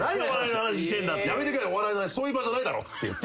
やめてくれお笑いの話そういう場じゃないだろっつって。